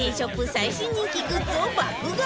最新人気グッズを爆買い